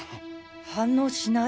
反応しない。